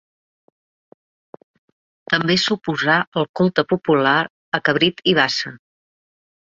També s'oposà al culte popular a Cabrit i Bassa.